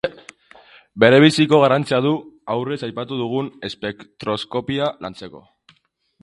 Berebiziko garrantzia du aurrez aipatu dugun espektroskopia lantzeko.